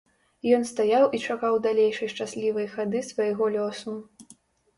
Ён стаяў і чакаў далейшай шчаслівай хады свайго лёсу.